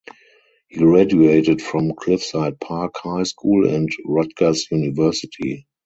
He graduated from Cliffside Park High School and Rutgers University.